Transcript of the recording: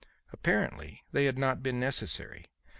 Apparently they had not been necessary.